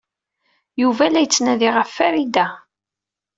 Yuba la yettnadi ɣef Farida.